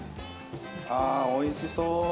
おいしそう！